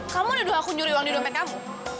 kamu udah aku nyuri uang di dompet kamu